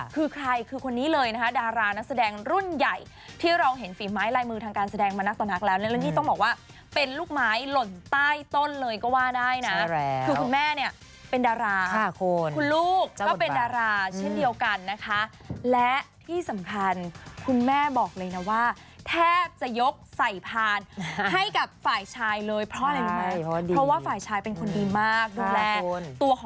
คือใครคือคนนี้เลยนะคะดารานักแสดงรุ่นใหญ่ที่เราเห็นฝีไม้ลายมือทางการแสดงมานักต่อนักแล้วและนี่ต้องบอกว่าเป็นลูกไม้หล่นใต้ต้นเลยก็ว่าได้นะคือคุณแม่เนี่ยเป็นดาราคุณลูกก็เป็นดาราเช่นเดียวกันนะคะและที่สำคัญคุณแม่บอกเลยนะว่าแทบจะยกใส่พานให้กับฝ่ายชายเลยเพราะอะไรรู้ไหมเพราะว่าฝ่ายชายเป็นคนดีมากดูแลตัวของ